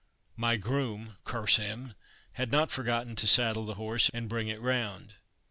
My groom (curse him) had not forgotten to saddle the horse and bring it round.